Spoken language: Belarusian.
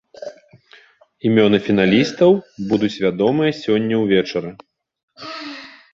Імёны фіналістаў будуць вядомыя сёння ўвечары.